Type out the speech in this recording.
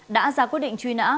đã ra quyết định truy nã